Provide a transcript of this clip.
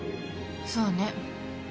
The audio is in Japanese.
そうね。